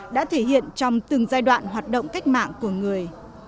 đã thể hiện trong từng giai đoạn hoạt động cách mạng của người